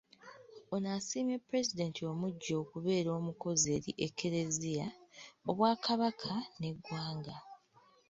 Ono asiimye Pulezidenti omuggya olw’okubeera omukozi eri eklezia, Obwakabaka n’eggwanga.